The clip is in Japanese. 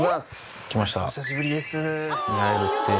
お久しぶりです。